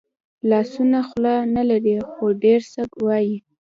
لاسونه خوله نه لري خو ډېر څه وايي